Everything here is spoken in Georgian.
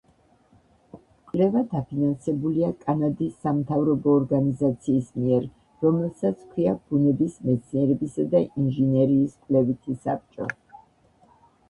კვლევა დაფინანსებულია კანადის სამთავრობო ორგანიზაციის მიერ, რომელსაც ჰქვია ბუნების მეცნიერებისა და ინჟინერიის კვლევითი საბჭო.